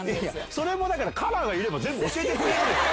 それもだから、ＫＡＲＡがいれば全部教えてくれるでしょう。